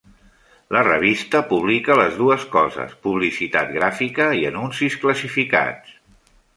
La revista publica les dues coses: publicitat gràfica i anuncis classificats.